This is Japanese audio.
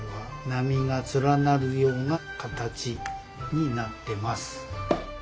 波が連なるような形になってます。